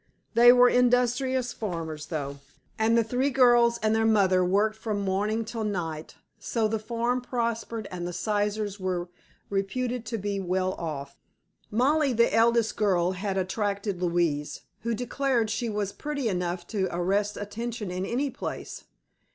They were industrious farmers, though, and the three girls and their mother worked from morning till night, so the farm prospered and the Sizers were reputed to be "well off." Molly, the eldest girl, had attracted Louise, who declared she was pretty enough to arrest attention in any place.